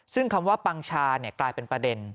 ซึ่งคำว่าปังชากลายเป็นประเด็น